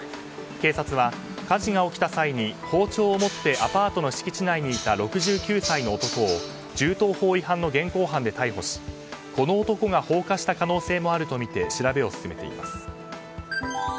警察は火事が起きた際に包丁を持ってアパートの敷地内にいた６９歳の男を銃刀法違反の現行犯で逮捕しこの男が放火した可能性もあるとみて調べを進めています。